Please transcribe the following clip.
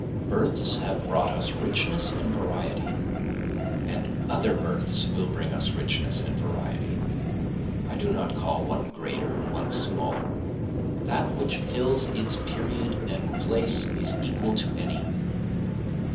Births have brought us richness and variety, And other births will bring us richness and variety. I do not call one greater and one smaller, That which fills its period and place is equal to any.